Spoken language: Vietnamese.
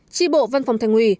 tri bộ văn phòng thành ủy